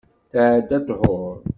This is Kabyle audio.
Tɛedda ṭhur.